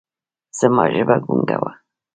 زما ژبه ګونګه وه ـ